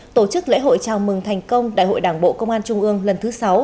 tổ chức lễ hội chào mừng thành công đại hội đảng bộ công an trung ương lần thứ sáu